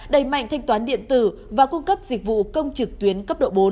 đẩy mạnh thanh toán điện tử và cung cấp dịch vụ công trực tuyến cấp độ bốn